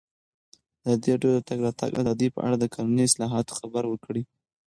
ازادي راډیو د د تګ راتګ ازادي په اړه د قانوني اصلاحاتو خبر ورکړی.